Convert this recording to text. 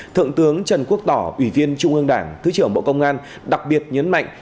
thượng tướng trần quốc tỏ ủy viên trung ương đảng thứ trưởng bộ công an đặc biệt nhấn mạnh